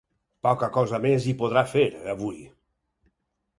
Poca cosa més hi podrà fer, avui.